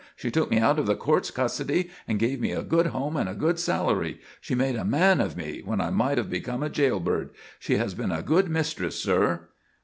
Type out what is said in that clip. She took me out of the court's custody and gave me a good home and a good salary. She made a man of me when I might have become a jailbird. She has been a good mistress, sir."